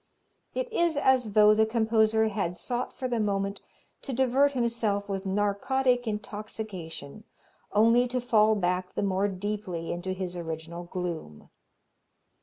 "It is as though the composer had sought for the moment to divert himself with narcotic intoxication only to fall back the more deeply into his original gloom."